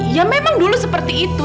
ya memang dulu seperti itu